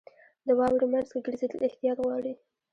• د واورې مینځ کې ګرځېدل احتیاط غواړي.